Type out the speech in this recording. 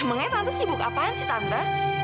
emangnya tante sibuk apaan sih tante